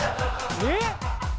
えっ！